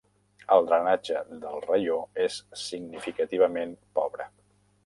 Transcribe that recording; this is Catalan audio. El drenatge del raió és significativament pobre.